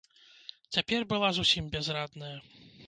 Цяпер была зусім бязрадная.